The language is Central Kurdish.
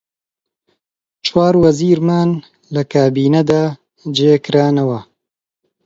چوار وەزیرمان لە کابینەدا جێ کرانەوە: